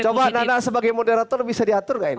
coba nana sebagai moderator bisa diatur nggak ini